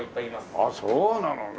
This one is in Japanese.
ああそうなのね。